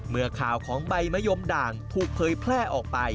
เมื่อข่าวของใบมะยมด่างถูกเผยแพร่ออกไป